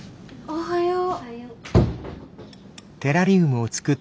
おはよう。